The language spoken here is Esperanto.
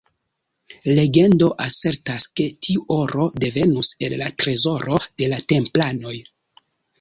Legendo asertas, ke tiu oro devenus el la trezoro de la Templanoj.